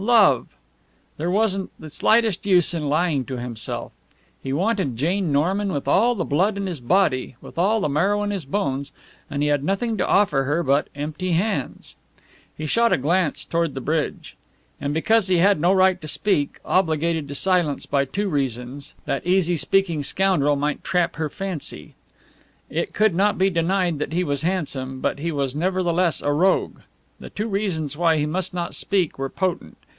Love! There wasn't the slightest use in lying to himself. He wanted Jane Norman with all the blood in his body, with all the marrow in his bones; and he had nothing to offer her but empty hands. He shot a glance toward the bridge. And because he had no right to speak obligated to silence by two reasons that easy speaking scoundrel might trap her fancy. It could not be denied that he was handsome, but he was nevertheless a rogue. The two reasons why he must not speak were potent.